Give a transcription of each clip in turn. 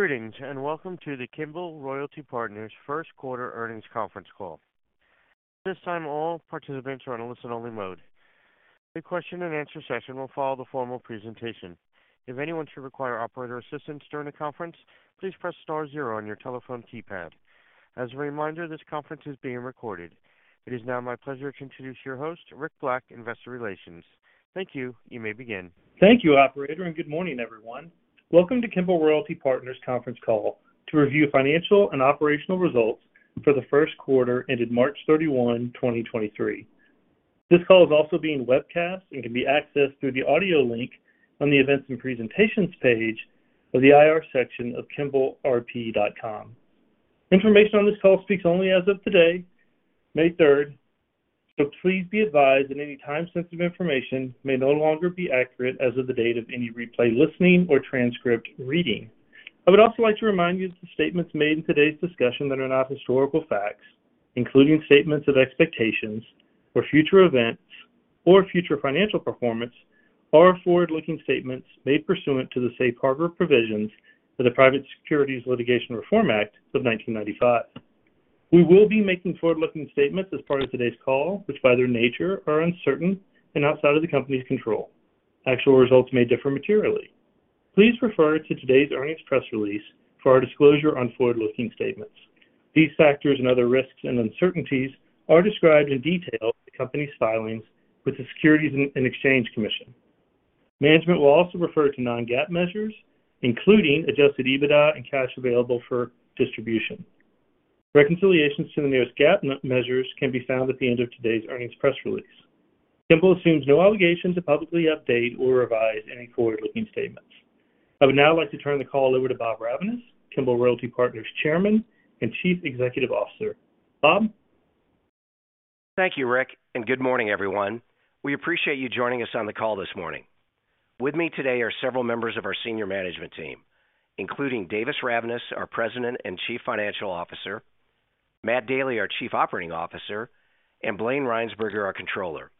Greetings, and welcome to the Kimbell Royalty Partners first quarter earnings conference call. At this time, all participants are on a listen-only mode. A question and answer session will follow the formal presentation. If anyone should require operator assistance during the conference, please press star zero on your telephone keypad. As a reminder, this conference is being recorded. It is now my pleasure to introduce your host, Rick Black, Investor Relations. Thank you. You may begin. Thank you operator, and good morning, everyone. Welcome to Kimbell Royalty Partners conference call to review financial and operational results for the first quarter ended March 31, 2023. This call is also being webcast and can be accessed through the audio link on the Events and Presentations page of the IR section of kimbellrp.com. Information on this call speaks only as of today, May 3, so please be advised that any time-sensitive information may no longer be accurate as of the date of any replay listening or transcript reading. I would also like to remind you that the statements made in today's discussion that are not historical facts, including statements of expectations or future events or future financial performance, are forward-looking statements made pursuant to the Safe Harbor Provisions of the Private Securities Litigation Reform Act of 1995. We will be making forward-looking statements as part of today's call, which by their nature are uncertain and outside of the company's control. Actual results may differ materially. Please refer to today's earnings press release for our disclosure on forward-looking statements. These factors and other risks and uncertainties are described in detail in the company's filings with the Securities and Exchange Commission. Management will also refer to non-GAAP measures, including adjusted EBITDA and cash available for distribution. Reconciliations to the nearest GAAP measures can be found at the end of today's earnings press release. Kimbell assumes no obligation to publicly update or revise any forward-looking statements. I would now like to turn the call over to Bob Ravnaas, Kimbell Royalty Partners Chairman and Chief Executive Officer. Bob? Thank you, Rick. Good morning, everyone. We appreciate you joining us on the call this morning. With me today are several members of our senior management team, including Davis Ravnaas, our President and Chief Financial Officer, Matt Daly, our Chief Operating Officer, and Blayne Rhynsburger, our Controller.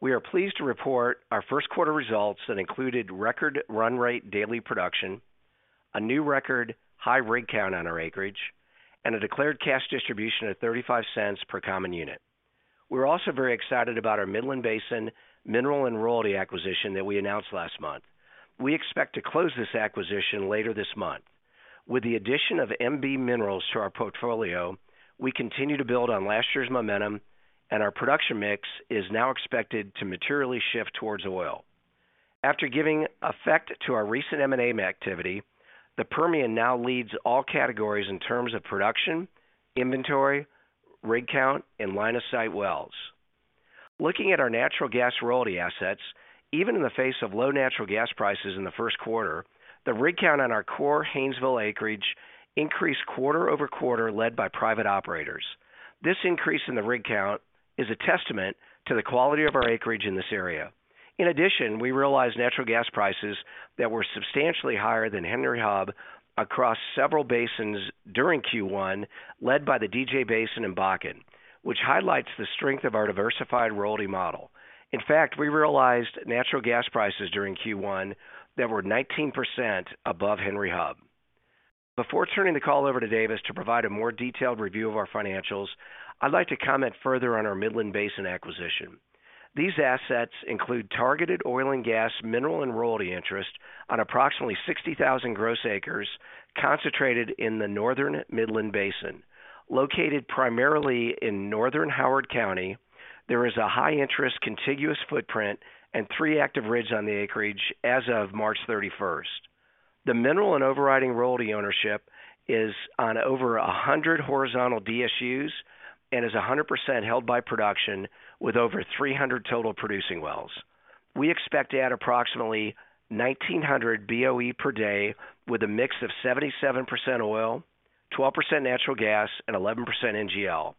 We are pleased to report our first quarter results that included record run rate daily production, a new record high rig count on our acreage, and a declared cash distribution of $0.35 per common unit. We're also very excited about our Midland Basin mineral and royalty acquisition that we announced last month. We expect to close this acquisition later this month. With the addition of MB Minerals to our portfolio, we continue to build on last year's momentum and our production mix is now expected to materially shift towards oil. After giving effect to our recent M&A activity, the Permian now leads all categories in terms of production, inventory, rig count, and line of sight wells. Looking at our natural gas royalty assets, even in the face of low natural gas prices in the first quarter, the rig count on our core Haynesville acreage increased quarter-over-quarter, led by private operators. This increase in the rig count is a testament to the quality of our acreage in this area. We realized natural gas prices that were substantially higher than Henry Hub across several basins during Q1, led by the DJ Basin and Bakken, which highlights the strength of our diversified royalty model. We realized natural gas prices during Q1 that were 19% above Henry Hub. Before turning the call over to Davis to provide a more detailed review of our financials, I'd like to comment further on our Midland Basin acquisition. These assets include targeted oil and gas mineral and royalty interest on approximately 60,000 gross acres concentrated in the northern Midland Basin. Located primarily in northern Howard County, there is a high interest contiguous footprint and three active rigs on the acreage as of March 31st. The mineral and overriding royalty ownership is on over 100 horizontal DSUs and is 100% held by production with over 300 total producing wells. We expect to add approximately 1,900 BOE per day with a mix of 77% oil, 12% natural gas, and 11% NGL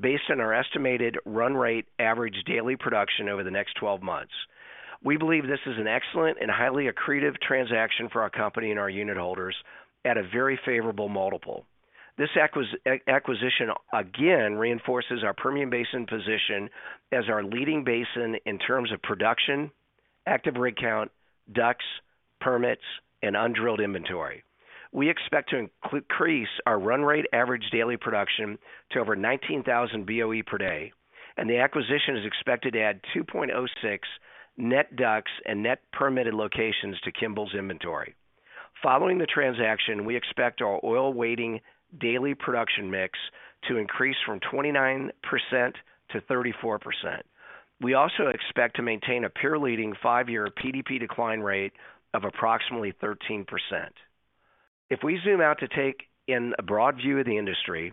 based on our estimated run rate average daily production over the next 12 months. We believe this is an excellent and highly accretive transaction for our company and our unit holders at a very favorable multiple. This acquisition again reinforces our Permian Basin position as our leading basin in terms of production, active rig count, DUCs, permits, and undrilled inventory. We expect to increase our run rate average daily production to over 19,000 BOE per day, and the acquisition is expected to add 2.06 net DUCs and net permitted locations to Kimbell's inventory. Following the transaction, we expect our oil weighting daily production mix to increase from 29% to 34%. We also expect to maintain a peer-leading five-year PDP decline rate of approximately 13%. If we zoom out to take in a broad view of the industry,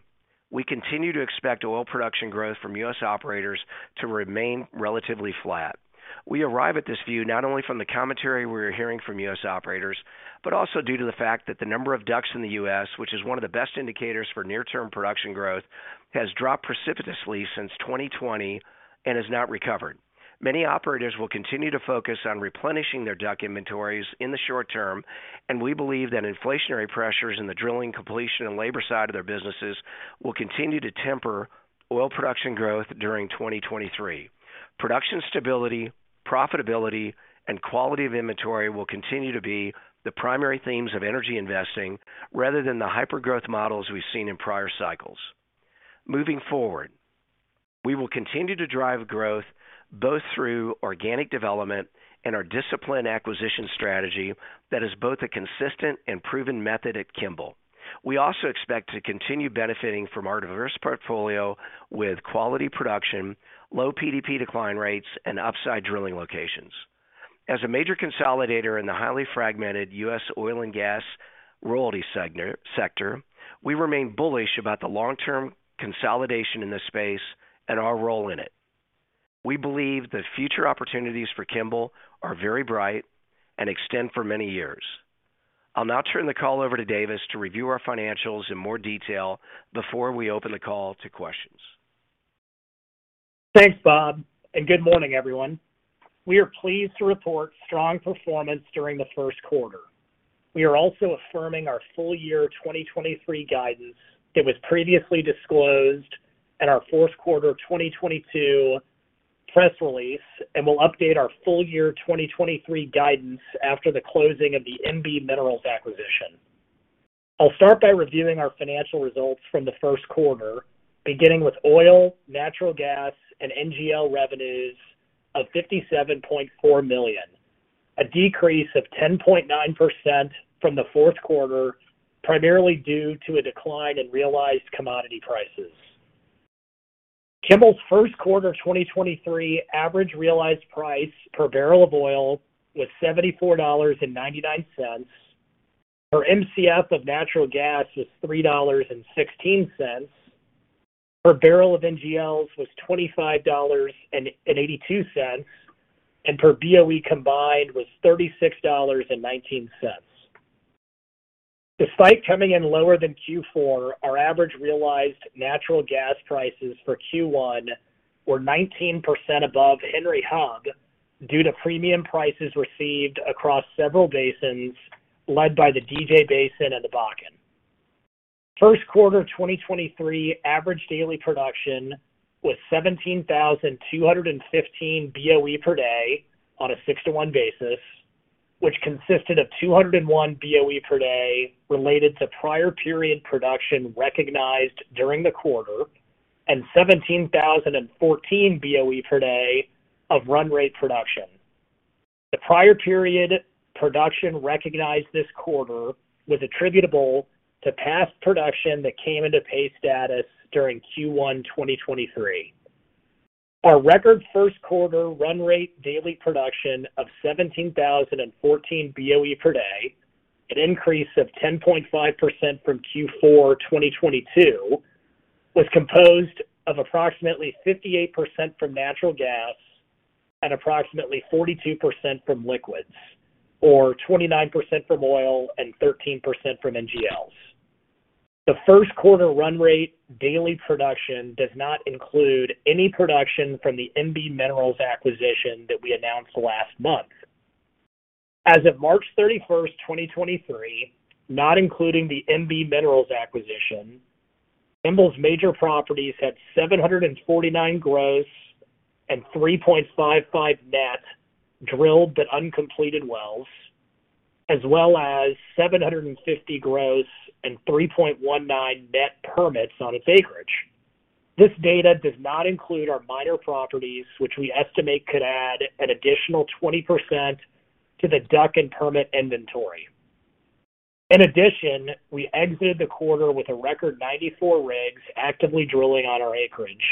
we continue to expect oil production growth from U.S. operators to remain relatively flat. We arrive at this view not only from the commentary we are hearing from U.S. operators, but also due to the fact that the number of DUCs in the U.S., which is one of the best indicators for near-term production growth, has dropped precipitously since 2020 and has not recovered. Many operators will continue to focus on replenishing their DUC inventories in the short term, and we believe that inflationary pressures in the drilling completion and labor side of their businesses will continue to temper oil production growth during 2023. Production stability, profitability, and quality of inventory will continue to be the primary themes of energy investing rather than the hyper-growth models we've seen in prior cycles. Moving forward, we will continue to drive growth both through organic development and our disciplined acquisition strategy that is both a consistent and proven method at Kimbell. We also expect to continue benefiting from our diverse portfolio with quality production, low PDP decline rates, and upside drilling locations. As a major consolidator in the highly fragmented U.S. oil and gas royalty sector, we remain bullish about the long-term consolidation in this space and our role in it. We believe that future opportunities for Kimbell are very bright and extend for many years. I'll now turn the call over to Davis to review our financials in more detail before we open the call to questions. Thanks, Bob. Good morning, everyone. We are pleased to report strong performance during the first quarter. We are also affirming our full year 2023 guidance that was previously disclosed in our fourth quarter of 2022 press release. We'll update our full year 2023 guidance after the closing of the MB Minerals acquisition. I'll start by reviewing our financial results from the first quarter, beginning with oil, natural gas, and NGL revenues of $57.4 million, a decrease of 10.9% from the fourth quarter, primarily due to a decline in realized commodity prices. Kimbell's first quarter 2023 average realized price per barrel of oil was $74.99, per MCF of natural gas was $3.16, per barrel of NGLs was $25.82, and per BOE combined was $36.19. Despite coming in lower than Q4, our average realized natural gas prices for Q1 were 19% above Henry Hub due to premium prices received across several basins, led by the DJ Basin and the Bakken. First quarter 2023 average daily production was 17,215 BOE per day on a six-to-one basis, which consisted of 201 BOE per day related to prior period production recognized during the quarter and 17,014 BOE per day of run rate production. The prior period production recognized this quarter was attributable to past production that came into pay status during Q1, 2023. Our record first quarter run rate daily production of 17,014 BOE per day, an increase of 10.5% from Q4, 2022, was composed of approximately 58% from natural gas and approximately 42% from liquids, or 29% from oil and 13% from NGLs. The first quarter run rate daily production does not include any production from the MB Minerals acquisition that we announced last month. As of March 31st, 2023, not including the MB Minerals acquisition, Kimbell's major properties had 749 gross and 3.55 net drilled but uncompleted wells, as well as 750 gross and 3.19 net permits on its acreage. This data does not include our minor properties, which we estimate could add an additional 20% to the DUC and permit inventory. In addition, we exited the quarter with a record 94 rigs actively drilling on our acreage,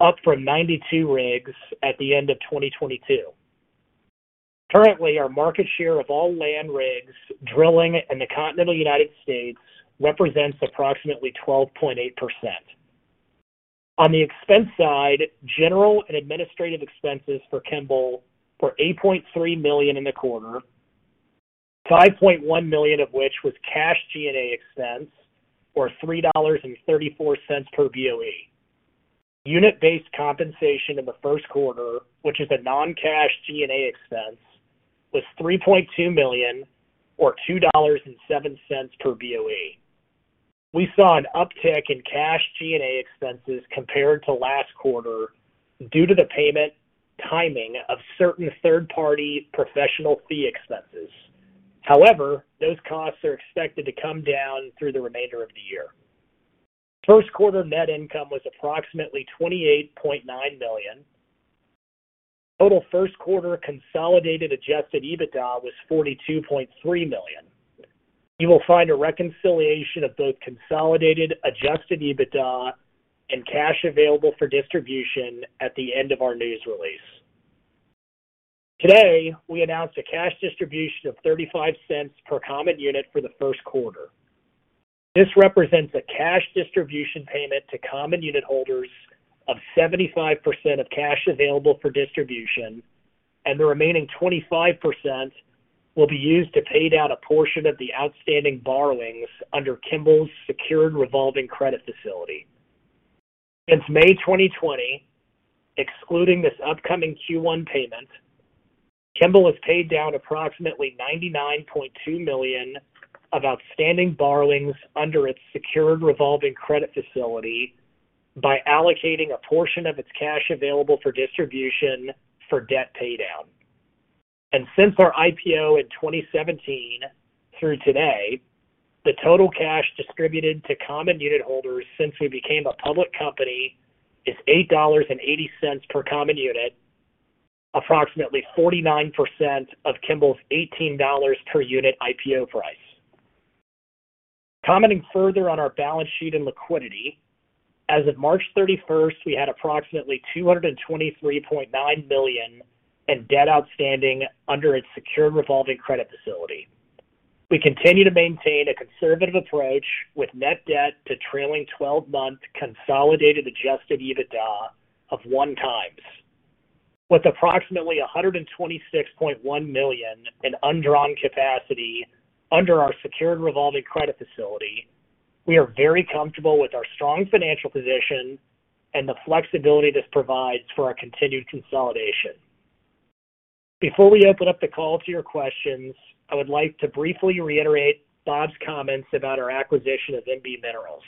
up from 92 rigs at the end of 2022. Currently, our market share of all land rigs drilling in the continental United States represents approximately 12.8%. On the expense side, general and administrative expenses for Kimbell were $8.3 million in the quarter, $5.1 million of which was cash G&A expense, or $3.34 per BOE. Unit-based compensation in the first quarter, which is a non-cash G&A expense, was $3.2 million, or $2.07 per BOE. We saw an uptick in cash G&A expenses compared to last quarter due to the payment timing of certain third-party professional fee expenses. Those costs are expected to come down through the remainder of the year. First quarter net income was approximately $28.9 million. Total first quarter consolidated adjusted EBITDA was $42.3 million. You will find a reconciliation of both consolidated adjusted EBITDA and cash available for distribution at the end of our news release. Today, we announced a cash distribution of $0.35 per common unit for the first quarter. This represents a cash distribution payment to common unit holders of 75% of cash available for distribution, the remaining 25% will be used to pay down a portion of the outstanding borrowings under Kimbell's secured revolving credit facility. Since May 2020, excluding this upcoming Q1 payment, Kimbell has paid down approximately $99.2 million of outstanding borrowings under its secured revolving credit facility by allocating a portion of its cash available for distribution for debt paydown. Since our IPO in 2017 through today, the total cash distributed to common unit holders since we became a public company is $8.80 per common unit, approximately 49% of Kimbell's $18 per unit IPO price. Commenting further on our balance sheet and liquidity, as of March 31st, we had approximately $223.9 million in debt outstanding under its secured revolving credit facility. We continue to maintain a conservative approach with net debt to trailing twelve-month consolidated adjusted EBITDA of 1 times. With approximately $126.1 million in undrawn capacity under our secured revolving credit facility, we are very comfortable with our strong financial position and the flexibility this provides for our continued consolidation. Before we open up the call to your questions, I would like to briefly reiterate Bob's comments about our acquisition of MB Minerals.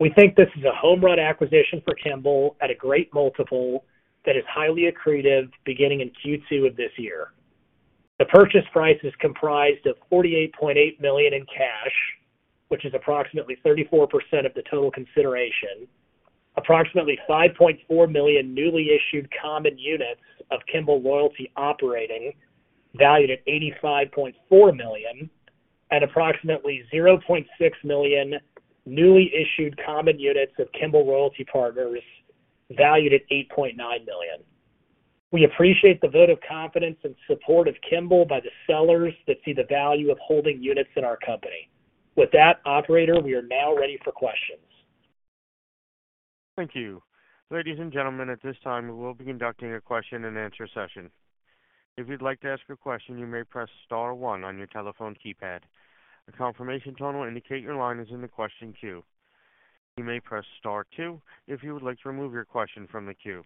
We think this is a home-run acquisition for Kimbell at a great multiple that is highly accretive beginning in Q2 of this year. The purchase price is comprised of $48.8 million in cash, which is approximately 34% of the total consideration, approximately 5.4 million newly issued common units of Kimbell Royalty Operating, valued at $85.4 million, and approximately 0.6 million newly issued common units of Kimbell Royalty Partners valued at $8.9 million. We appreciate the vote of confidence and support of Kimbell by the sellers that see the value of holding units in our company. Operator, we are now ready for questions. Thank you. Ladies and gentlemen, at this time, we will be conducting a question-and-answer session. If you'd like to ask a question, you may press star one on your telephone keypad. A confirmation tone will indicate your line is in the question queue. You may press star two if you would like to remove your question from the queue.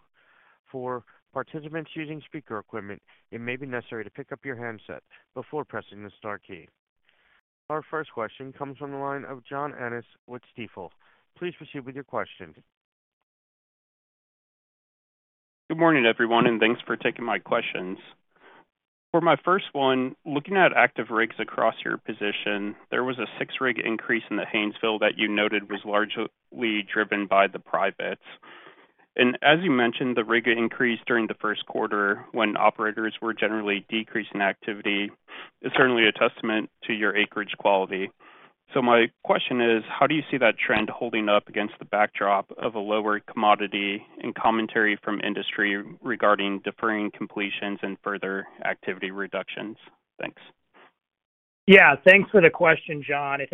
For participants using speaker equipment, it may be necessary to pick up your handset before pressing the star key. Our first question comes from the line of Derrick Whitfield with Stifel. Please proceed with your question. Good morning, everyone. Thanks for taking my questions. For my first one, looking at active rigs across your position, there was a six-rig increase in the Haynesville that you noted was largely driven by the privates. As you mentioned, the rig increase during the first quarter when operators were generally decreasing activity is certainly a testament to your acreage quality. My question is, how do you see that trend holding up against the backdrop of a lower commodity and commentary from industry regarding deferring completions and further activity reductions? Thanks. Yeah. Thanks for the question, John. This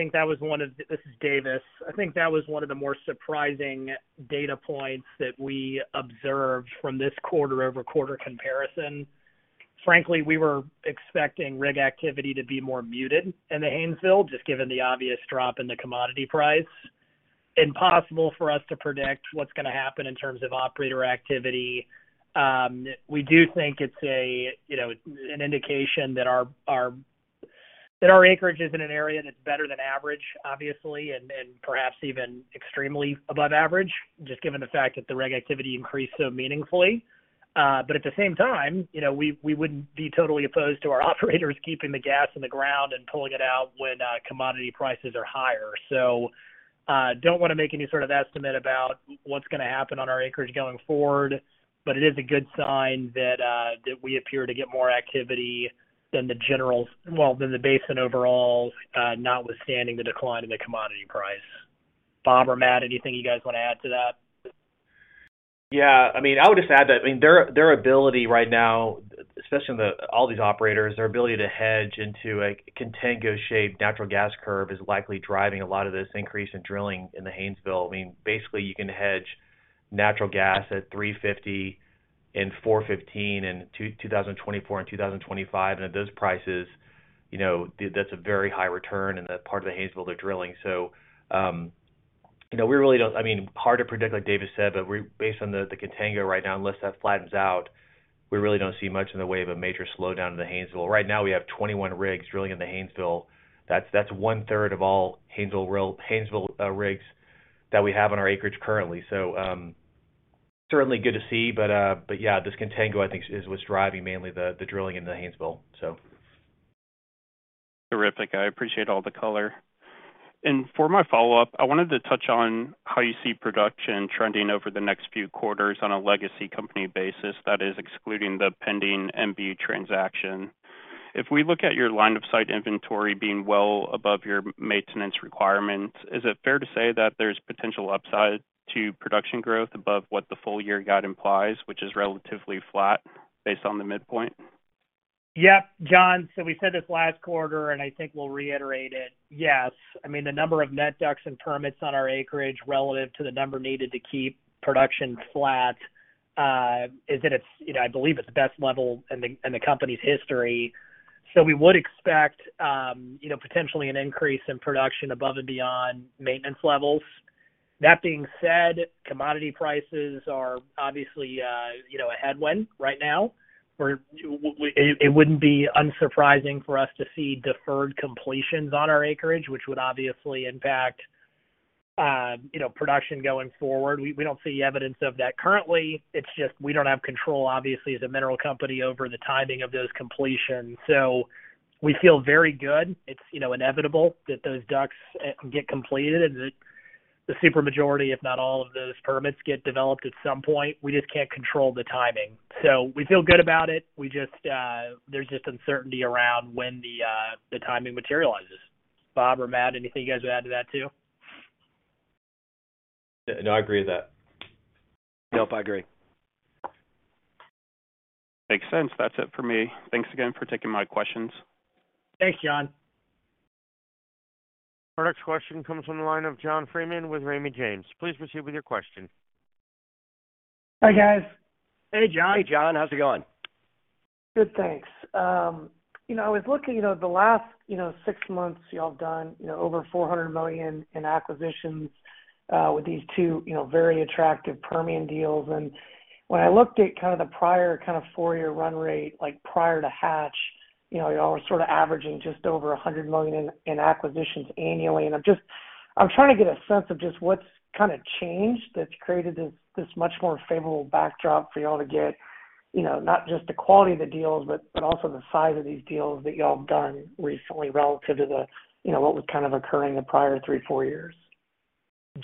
is Davis. I think that was one of the more surprising data points that we observed from this quarter-over-quarter comparison. Frankly, we were expecting rig activity to be more muted in the Haynesville, just given the obvious drop in the commodity price. Impossible for us to predict what's gonna happen in terms of operator activity. We do think it's a, you know, an indication that our acreage is in an area that's better than average, obviously, and perhaps even extremely above average, just given the fact that the rig activity increased so meaningfully. At the same time, you know, we wouldn't be totally opposed to our operators keeping the gas in the ground and pulling it out when commodity prices are higher. Don't wanna make any sort of estimate about what's gonna happen on our acreage going forward. It is a good sign that we appear to get more activity than the general, well, than the basin overall, notwithstanding the decline in the commodity price. Bob or Matt, anything you guys wanna add to that? I mean, I would just add that, I mean, their ability right now, especially all these operators, their ability to hedge into a contango-shaped natural gas curve is likely driving a lot of this increase in drilling in the Haynesville. I mean, basically, you can hedge natural gas at $3.50 and $4.15 in 2024 and 2025. At those prices, you know, that's a very high return in the part of the Haynesville they're drilling. You know, I mean, hard to predict, like Davis said, but based on the contango right now, unless that flattens out, we really don't see much in the way of a major slowdown in the Haynesville. Right now, we have 21 rigs drilling in the Haynesville. That's one-third of all Haynesville rigs that we have on our acreage currently. Certainly good to see. Yeah, this contango, I think is what's driving mainly the drilling in the Haynesville, so. Terrific. I appreciate all the color. For my follow-up, I wanted to touch on how you see production trending over the next few quarters on a legacy company basis that is excluding the pending MB transaction. If we look at your line of sight inventory being well above your maintenance requirement, is it fair to say that there's potential upside to production growth above what the full year guide implies, which is relatively flat based on the midpoint? Yep. John Freeman, we said this last quarter, and I think we'll reiterate it. Yes. I mean, the number of net DUCs and permits on our acreage relative to the number needed to keep production flat, is at its, you know, I believe it's best level in the company's history. We would expect, you know, potentially an increase in production above and beyond maintenance levels. That being said, commodity prices are obviously, you know, a headwind right now, where it wouldn't be unsurprising for us to see deferred completions on our acreage, which would obviously impact, you know, production going forward. We don't see evidence of that currently. It's just we don't have control, obviously, as a mineral company over the timing of those completions. We feel very good. It's, you know, inevitable that those DUCs get completed and that the super majority, if not all of those permits, get developed at some point. We just can't control the timing. We feel good about it. We just there's just uncertainty around when the timing materializes. Bob or Matt, anything you guys would add to that too? No, I agree with that. Yep, I agree. Makes sense. That's it for me. Thanks again for taking my questions. Thanks, John. Our next question comes from the line of John Freeman with Raymond James. Please proceed with your question. Hi, guys. Hey, John. Hey, John. How's it going? Good, thanks. You know, I was looking, you know, the last, you know, six months y'all have done, you know, over $400 million in acquisitions with these two, you know, very attractive Permian deals. When I looked at kind of the prior kind of 4-year run rate, like prior to Hatch, you know, y'all were sorta averaging just over $100 million in acquisitions annually. I'm trying to get a sense of just what's kinda changed that's created this much more favorable backdrop for y'all to get, you know, not just the quality of the deals, but also the size of these deals that y'all have done recently relative to you know, what was kind of occurring the prior three, four years.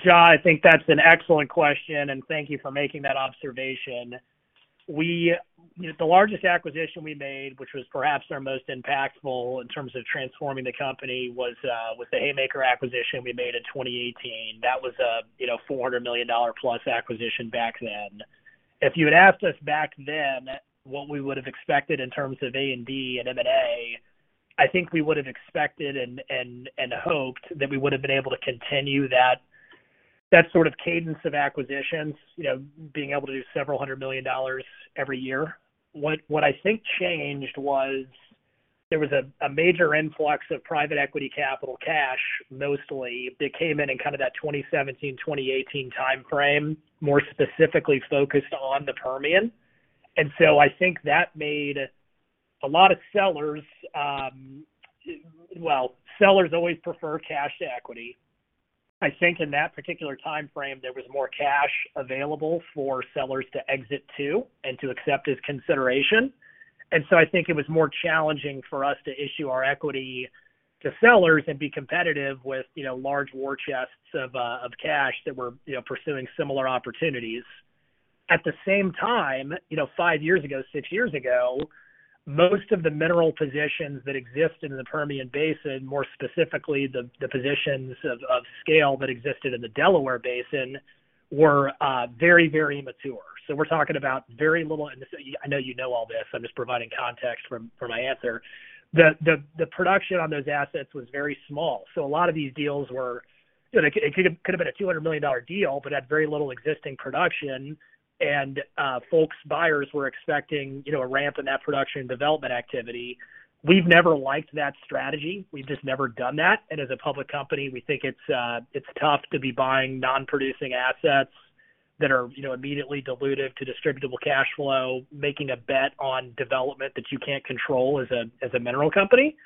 John, I think that's an excellent question, and thank you for making that observation. The largest acquisition we made, which was perhaps our most impactful in terms of transforming the company, was the Haymaker acquisition we made in 2018. That was a, you know, $400 million plus acquisition back then. If you had asked us back then what we would have expected in terms of A&D and M&A, I think we would have expected and hoped that we would have been able to continue that sort of cadence of acquisitions, you know, being able to do several hundred million dollars every year. What I think changed was there was a major influx of private equity capital cash, mostly that came in kinda that 2017, 2018 timeframe, more specifically focused on the Permian. I think that made a lot of sellers. Well, sellers always prefer cash to equity. I think in that particular timeframe, there was more cash available for sellers to exit to and to accept as consideration. I think it was more challenging for us to issue our equity to sellers and be competitive with, you know, large war chests of cash that were, you know, pursuing similar opportunities. At the same time, you know, 5 years ago, 6 years ago, most of the mineral positions that exist in the Permian Basin, more specifically the positions of scale that existed in the Delaware Basin, were very, very mature. We're talking about very little. I know you know all this, I'm just providing context for my answer. The production on those assets was very small. A lot of these deals, you know, it could have been a $200 million deal, but had very little existing production. Folks, buyers were expecting, you know, a ramp in that production development activity. We've never liked that strategy. We've just never done that. As a public company, we think it's tough to be buying non-producing assets that are, you know, immediately dilutive to distributable cash flow, making a bet on development that you can't control as a mineral company.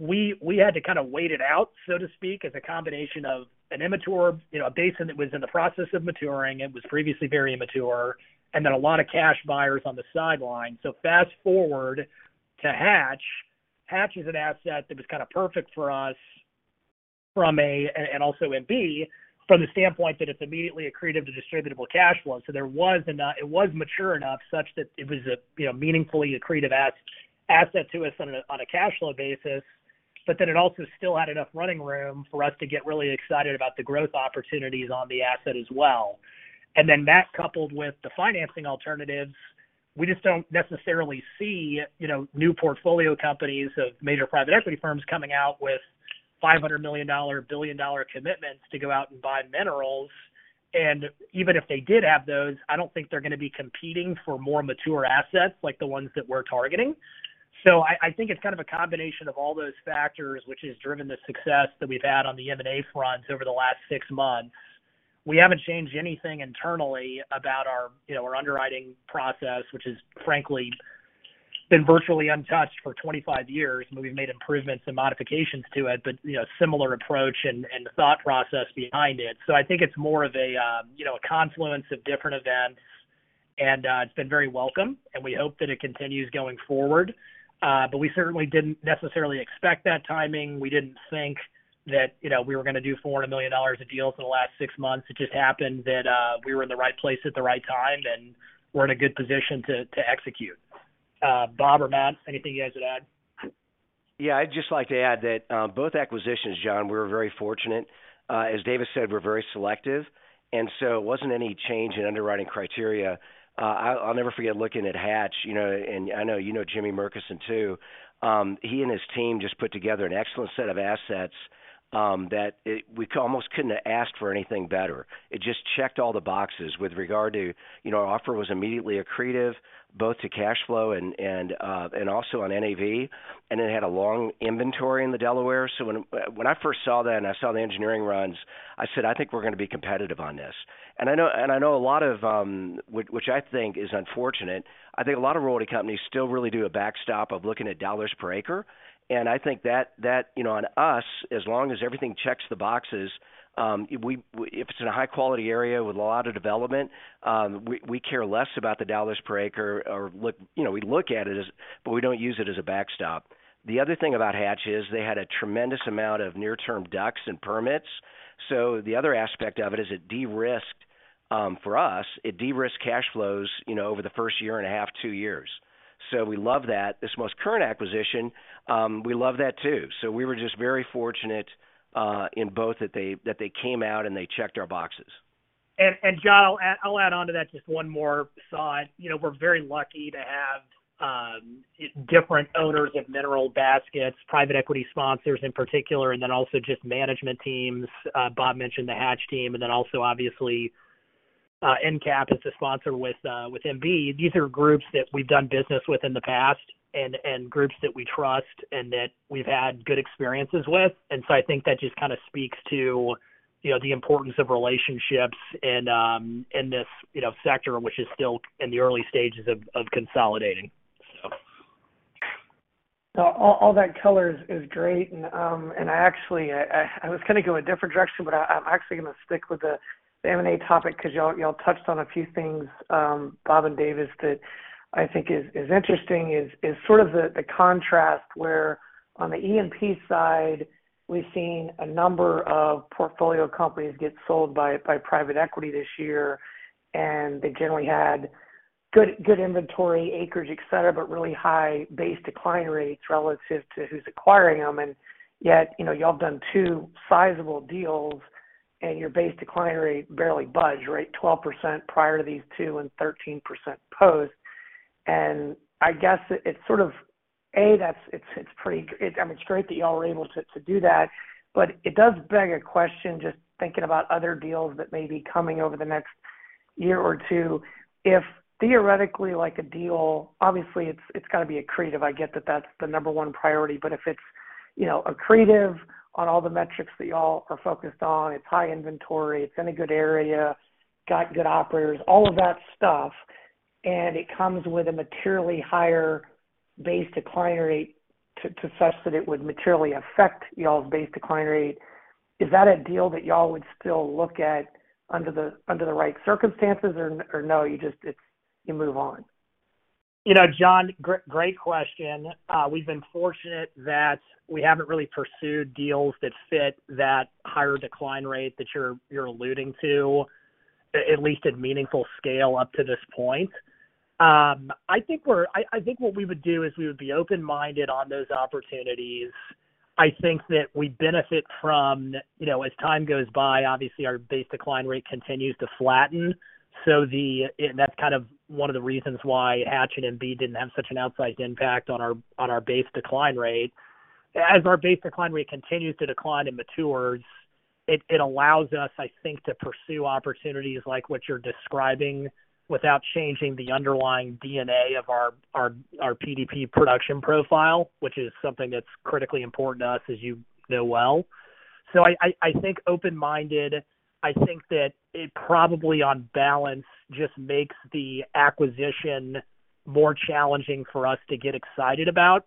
We had to kinda wait it out, so to speak, as a combination of an immature, you know, a basin that was in the process of maturing and was previously very immature, and then a lot of cash buyers on the sideline. Fast-forward to Hatch. Hatch is an asset that was kinda perfect for us from A, and also in B, from the standpoint that it's immediately accretive to distributable cash flow. It was mature enough such that it was a, you know, meaningfully accretive asset to us on a, on a cash flow basis, it also still had enough running room for us to get really excited about the growth opportunities on the asset as well. That coupled with the financing alternatives, we just don't necessarily see, you know, new portfolio companies of major private equity firms coming out with $500 million, $1 billion commitments to go out and buy minerals. Even if they did have those, I don't think they're gonna be competing for more mature assets like the ones that we're targeting. I think it's kind of a combination of all those factors which has driven the success that we've had on the M&A front over the last six months. We haven't changed anything internally about our, you know, our underwriting process, which has frankly been virtually untouched for 25 years. I mean, we've made improvements and modifications to it, but you know, similar approach and the thought process behind it. I think it's more of a, you know, a confluence of different events, and it's been very welcome, and we hope that it continues going forward. We certainly didn't necessarily expect that timing. We didn't think that, you know, we were gonna do $400 million of deals in the last six months. It just happened that we were in the right place at the right time, and we're in a good position to execute. Bob or Matt, anything you guys would add? Yeah, I'd just like to add that both acquisitions, John, we were very fortunate. As Davis Ravnaas said, we're very selective, and so it wasn't any change in underwriting criteria. I'll never forget looking at Hatch, you know, and I know you know Jimmy Murchison too. He and his team just put together an excellent set of assets that we almost couldn't have asked for anything better. It just checked all the boxes with regard to, you know, our offer was immediately accretive both to cash flow and also on NAV, and it had a long inventory in the Delaware. When I first saw that and I saw the engineering runs, I said, "I think we're gonna be competitive on this." I know a lot of. Which I think is unfortunate, I think a lot of royalty companies still really do a backstop of looking at dollars per acre. I think that, you know, on us, as long as everything checks the boxes, if it's in a high-quality area with a lot of development, we care less about the dollars per acre or, you know, we look at it as, but we don't use it as a backstop. The other thing about Hatch is they had a tremendous amount of near-term DUCs and permits. The other aspect of it is it de-risked, for us, it de-risked cash flows, you know, over the first year and a half, two years. We love that. This most current acquisition, we love that, too. We were just very fortunate in both that they came out and they checked our boxes. John, I'll add on to that just one more thought. You know, we're very lucky to have different owners of mineral baskets, private equity sponsors in particular, and then also just management teams. Bob mentioned the Hatch team, and then also obviously, EnCap is the sponsor with MB. These are groups that we've done business with in the past and groups that we trust and that we've had good experiences with. I think that just kinda speaks to, you know, the importance of relationships in this, you know, sector, which is still in the early stages of consolidating, so. All that color is great. I actually, I was gonna go a different direction, but I'm actually gonna stick with the M&A topic 'cause y'all touched on a few things, Bob and Davis, that I think is interesting is sort of the contrast where on the E&P side, we've seen a number of portfolio companies get sold by private equity this year, and they generally had good inventory, acreage, et cetera, but really high base decline rates relative to who's acquiring them. Yet, you know, y'all have done two sizable deals and your base decline rate barely budged, right? 12% prior to these two and 13% post. I guess it's sort of, that's pretty. I mean, it's great that y'all are able to do that, but it does beg a question, just thinking about other deals that may be coming over the next year or two. If theoretically, like a deal, obviously it's gotta be accretive. I get that that's the number one priority. If it's, you know, accretive on all the metrics that y'all are focused on, it's high inventory, it's in a good area, got good operators, all of that stuff, and it comes with a materially higher base decline rate such that it would materially affect y'all's base decline rate, is that a deal that y'all would still look at under the right circumstances or no, you just move on? You know, John, great question. We've been fortunate that we haven't really pursued deals that fit that higher decline rate that you're alluding to, at least at meaningful scale up to this point. I think what we would do is we would be open-minded on those opportunities. I think that we benefit from, you know, as time goes by, obviously our base decline rate continues to flatten. That's kind of one of the reasons why Hatch and MB didn't have such an outsized impact on our, on our base decline rate. As our base decline rate continues to decline and matures, it allows us, I think, to pursue opportunities like what you're describing without changing the underlying DNA of our, our PDP production profile, which is something that's critically important to us as you know well. I think open-minded. I think that it probably on balance just makes the acquisition more challenging for us to get excited about.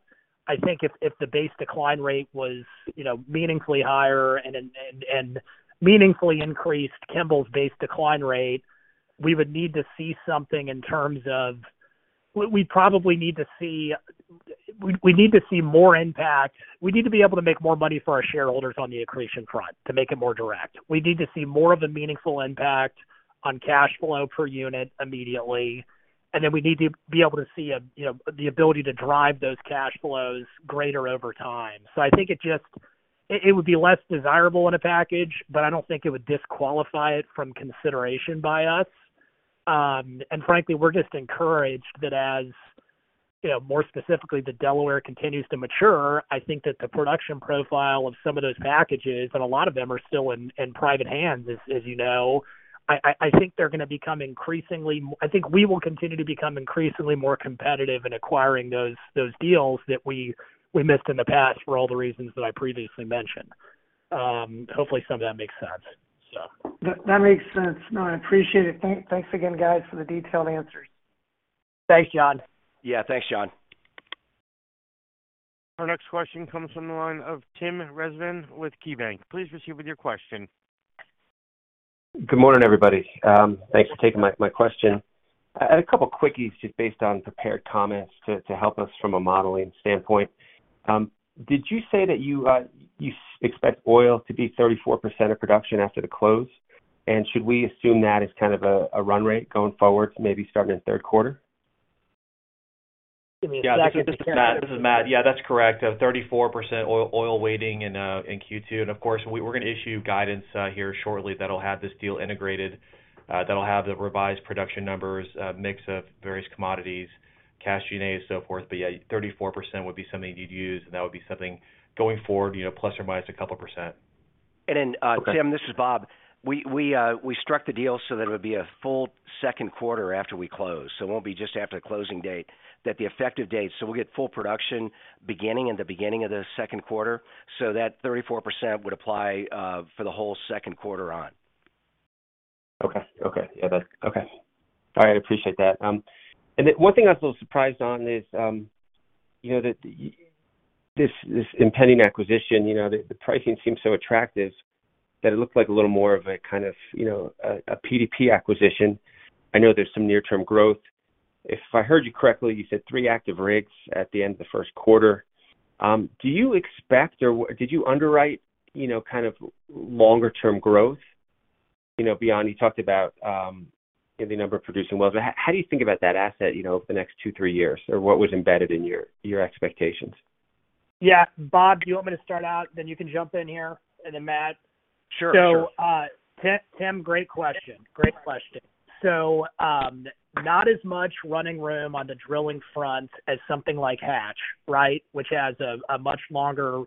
I think if the base decline rate was, you know, meaningfully higher and meaningfully increased Kimbell's base decline rate, we need to see more impact. We need to be able to make more money for our shareholders on the accretion front to make it more direct. We need to see more of a meaningful impact on cash flow per unit immediately, and then we need to be able to see a, you know, the ability to drive those cash flows greater over time. I think it just. It would be less desirable in a package, but I don't think it would disqualify it from consideration by us. Frankly, we're just encouraged that as, you know, more specifically, the Delaware continues to mature, I think that the production profile of some of those packages, and a lot of them are still in private hands, as you know. I think they're gonna become increasingly more competitive in acquiring those deals that we missed in the past for all the reasons that I previously mentioned. Hopefully some of that makes sense. That makes sense. No, I appreciate it. Thanks again, guys, for the detailed answers. Thanks, John. Yeah. Thanks, John. Our next question comes from the line of Tim Rezvan with KeyBanc. Please proceed with your question. Good morning, everybody. Thanks for taking my question. I had a couple quickies just based on prepared comments to help us from a modeling standpoint. Did you say that you expect oil to be 34% of production after the close? Should we assume that as kind of a run rate going forward, maybe starting in third quarter? Give me a second. This is Matt. That's correct. 34% oil weighting in Q2. Of course, we're gonna issue guidance here shortly that'll have this deal integrated that'll have the revised production numbers mix of various commodities, cash G&A, so forth. 34% would be something you'd use, and that would be something going forward, you know, plus or minus a couple percent. Then, Tim, this is Bob. We struck the deal so that it would be a full second quarter after we close. It won't be just after the closing date, that the effective date. We'll get full production beginning in the beginning of the second quarter. That 34% would apply for the whole second quarter on. Okay. Okay. Yeah, that's Okay. All right. I appreciate that. One thing I was a little surprised on is, you know, that this impending acquisition, you know, the pricing seems so attractive that it looks like a little more of a, kind of, you know, a PDP acquisition. I know there's some near-term growth. If I heard you correctly, you said three active rigs at the end of the first quarter. Do you expect or did you underwrite, you know, kind of longer term growth? You know, beyond you talked about, in the number of producing wells, how do you think about that asset, you know, over the next two, three years? What was embedded in your expectations? Yeah. Bob, do you want me to start out, then you can jump in here and then Matt? Sure. Sure. Tim, great question. Great question. Not as much running room on the drilling front as something like Hatch, right, which has a much longer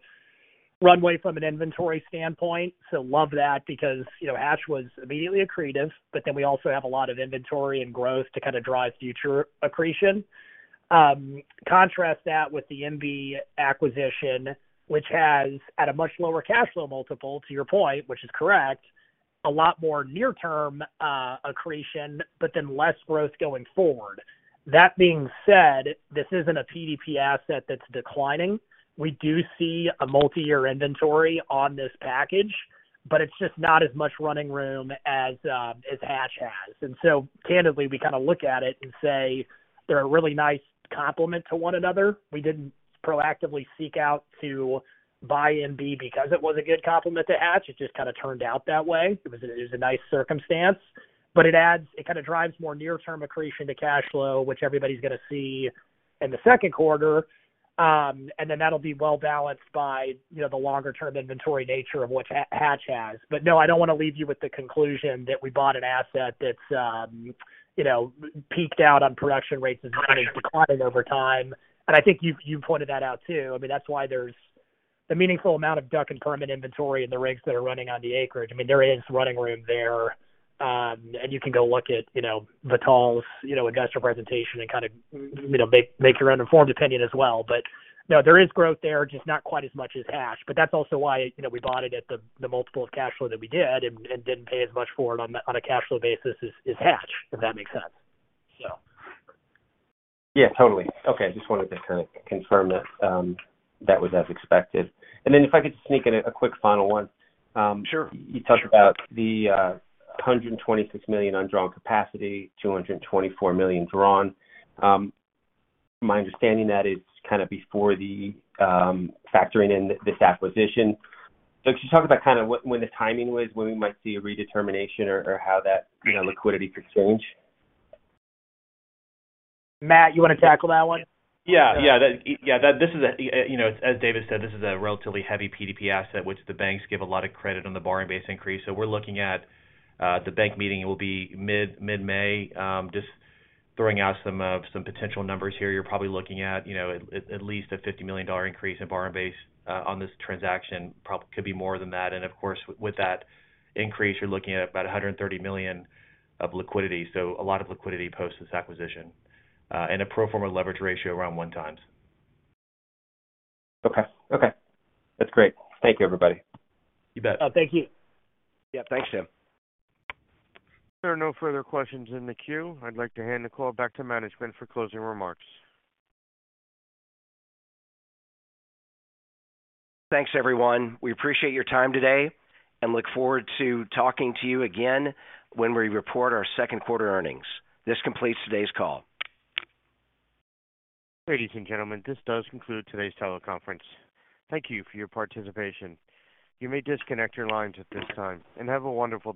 runway from an inventory standpoint. Love that because, you know, Hatch was immediately accretive, we also have a lot of inventory and growth to kinda drive future accretion. Contrast that with the MB acquisition, which has at a much lower cash flow multiple to your point, which is correct, a lot more near term accretion, less growth going forward. That being said, this isn't a PDP asset that's declining. We do see a multiyear inventory on this package, it's just not as much running room as Hatch has. Candidly, we kinda look at it and say they're a really nice complement to one another. We didn't proactively seek out to buy MB because it was a good complement to Hatch. It just kinda turned out that way. It was a nice circumstance, but it kinda drives more near-term accretion to cash flow, which everybody's gonna see in the second quarter. That'll be well balanced by, you know, the longer term inventory nature of which Hatch has. No, I don't wanna leave you with the conclusion that we bought an asset that's, you know, peaked out on production rates and is declining over time. I think you pointed that out too. I mean, that's why there's a meaningful amount of DUC and permanent inventory in the rigs that are running on the acreage. I mean, there is running room there, and you can go look at, you know, Vital's, you know, investor presentation and kind of, you know, make your own informed opinion as well. No, there is growth there, just not quite as much as Hatch. That's also why, you know, we bought it at the multiple of cash flow that we did and didn't pay as much for it on a cash flow basis as Hatch, if that makes sense. Yeah, totally. Okay. I just wanted to kinda confirm that was as expected. Then if I could sneak in a quick final one. Sure. You talked about the $126 million undrawn capacity, $224 million drawn. My understanding that is kinda before the factoring in this acquisition. Could you talk about kinda when the timing was, when we might see a redetermination or how that, you know, liquidity could change? Matt, you wanna tackle that one? Yeah. Yeah. This is a, you know, as Davis said, this is a relatively heavy PDP asset, which the banks give a lot of credit on the borrowing base increase. We're looking at the bank meeting. It will be mid-May. Just throwing out some potential numbers here. You're probably looking at, you know, at least a $50 million increase in borrowing base on this transaction. Could be more than that. Of course, with that increase, you're looking at about $130 million of liquidity. A lot of liquidity post this acquisition. A pro forma leverage ratio around 1 times. Okay. Okay. That's great. Thank you, everybody. You bet. Oh, thank you. Yeah. Thanks, Tim. There are no further questions in the queue. I'd like to hand the call back to management for closing remarks. Thanks, everyone. We appreciate your time today and look forward to talking to you again when we report our second quarter earnings. This completes today's call. Ladies and gentlemen, this does conclude today's teleconference. Thank you for your participation. You may disconnect your lines at this time, and have a wonderful day.